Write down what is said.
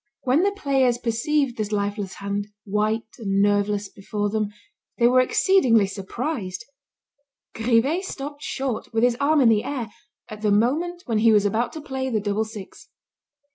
When the players perceived this lifeless hand, white and nerveless, before them, they were exceedingly surprised. Grivet stopped short, with his arm in the air, at the moment when he was about to play the double six.